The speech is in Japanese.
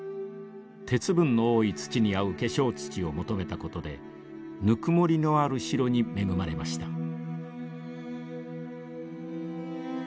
鉄分の多い土に合う化粧土を求めたことでぬくもりのある白に恵まれました。